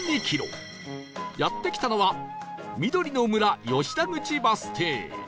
やって来たのはみどりの村吉田口バス停